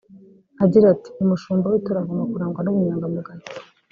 Agira ati “Umushumba w’itorero agomba kurangwa n’ubunyangamugayo